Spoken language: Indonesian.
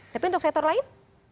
tapi untuk sektor lain